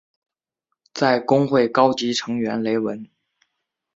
在公会高级成员雷文。